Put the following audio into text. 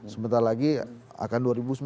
sebentar lagi akan dua ribu sembilan belas